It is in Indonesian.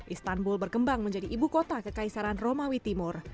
istanbul berkembang menjadi ibu kota kekaisaran romawi timur